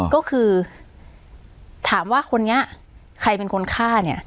ก็คือถามว่าคนนี้ใครเป็นคนฆ่าเนี่ย